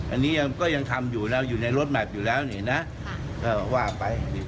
อันนี้ก็ยังทำอยู่แล้วอยู่ในรถแมพอยู่แล้วนี่นะก็ว่าไป